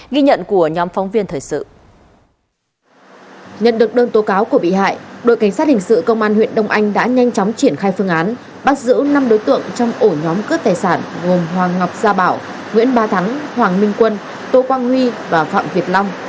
tại hiện tại đội cảnh sát hình sự công an huyện đông anh đã nhanh chóng triển khai phương án bắt giữ năm đối tượng trong ổ nhóm cướp tài sản gồm hoàng ngọc gia bảo nguyễn ba thắng hoàng minh quân tô quang huy và phạm việt long